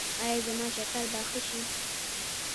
ایا زما شکر به ښه شي؟